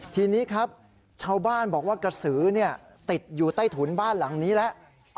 ทีนี้ครับชาวบ้านบอกว่ากระสือติดอยู่ใต้ถุนบ้านหลังนี้แล้ว